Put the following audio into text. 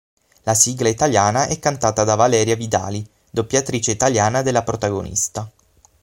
La sigla italiana è cantata da Valeria Vidali, doppiatrice italiana della protagonista.